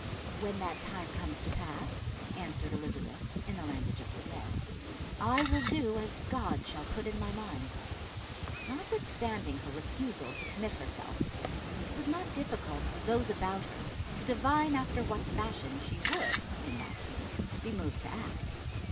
"When that time comes to pass," answered Elizabeth, in the language of the day, "I will do as God shall put in my mind." Notwithstanding her refusal to commit herself, it was not difficult for those about her to divine after what fashion she would, in that case, be moved to act.